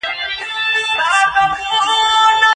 لکه ماته چې دې راکړي.